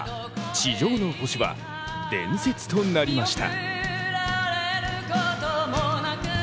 「地上の星」は伝説となりました。